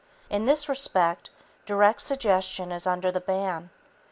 In this respect, direct suggestion is under the ban.